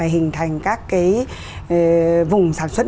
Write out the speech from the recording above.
hình thành các cái vùng sản xuất